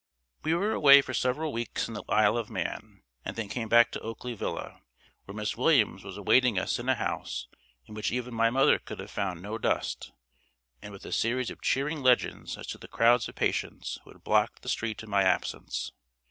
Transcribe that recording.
We were away for several weeks in the Isle of Man, and then came back to Oakley Villa, where Miss Williams was awaiting us in a house in which even my mother could have found no dust, and with a series of cheering legends as to the crowds of patients who had blocked the street in my absence.